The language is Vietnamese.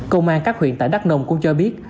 công an các huyện tại đắk nông cũng cho biết